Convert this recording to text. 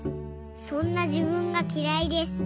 そんなじぶんがきらいです。